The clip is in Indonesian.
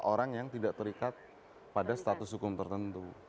orang yang tidak terikat pada status hukum tertentu